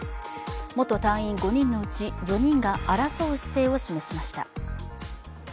元隊員５人のうち、４人が争う姿勢を示しました。